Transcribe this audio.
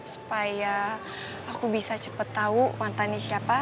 supaya aku bisa cepet tau mantannya siapa